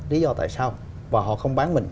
lý do tại sao và họ không bán mình